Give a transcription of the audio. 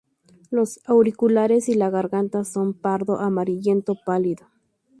Los auriculares y la garganta son pardo amarillento pálido.